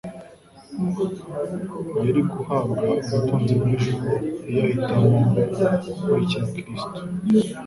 Yari guhabwa ubutunzi bw'ijuru iyo ahitamo gukurikira Kristo.